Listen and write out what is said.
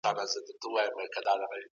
د بډایه خلګو مال کي د مسکینانو برخه سته.